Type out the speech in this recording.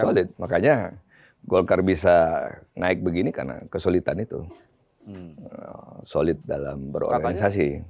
solid makanya golkar bisa naik begini karena kesulitan itu solid dalam berorganisasi